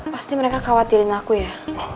pasti mereka khawatirin aku ya